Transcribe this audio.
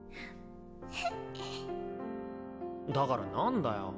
だから何だよ？